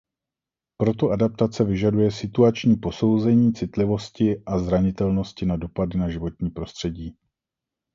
Proto adaptace vyžaduje situační posouzení citlivosti a zranitelnosti na dopady na životní prostředí.